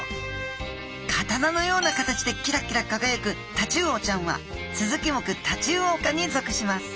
刀のような形でキラキラ輝くタチウオちゃんはスズキ目タチウオ科に属します。